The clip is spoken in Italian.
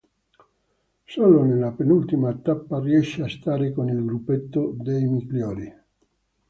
Solo nella penultima tappa riesce a stare con il gruppetto dei migliori.